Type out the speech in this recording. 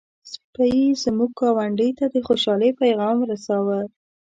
سپي زموږ ګاونډی ته د خوشحالۍ پيغام ورساوه.